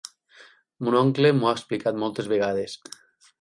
Mon oncle m'ho ha explicat moltes vegades.